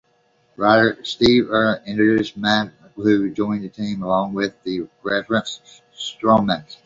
Writer Steve Englehart introduced Mantis, who joined the team along with the reformed Swordsman.